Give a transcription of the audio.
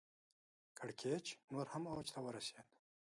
کړکېچ نور هم اوج ته ورسېد.